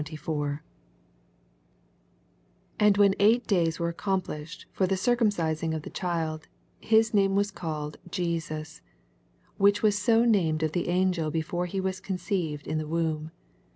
21 And when eight days were ac sompllBhed for the drcnmciBing of the child, his name was called JESXJS, which was so named of the angel be fore he was conceived in the womb.